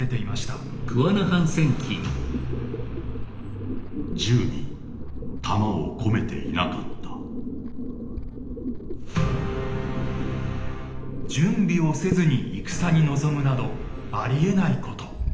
準備をせずに戦に臨むなどありえないこと。